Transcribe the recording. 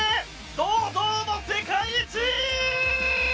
堂々の世界一！